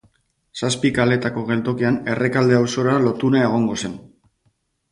Zazpi Kaleetako geltokian Errekalde auzora lotunea egongo zen.